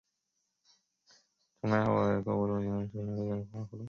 重开后的购书中心在春节期间提供非遗文化展等文化活动。